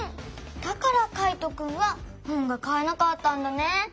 だからカイトくんはほんがかえなかったんだね。